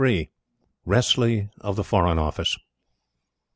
WRESSLEY OF THE FOREIGN OFFICE.